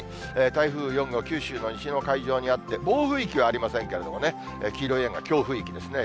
台風４号、九州の西の海上にあって、暴風域はありませんけれどもね、黄色い円が強風域ですね。